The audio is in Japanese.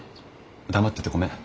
黙っててごめん。